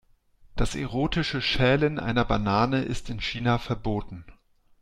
Das erotische Schälen einer Banane ist in China verboten.